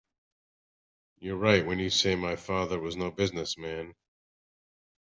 You're right when you say my father was no business man.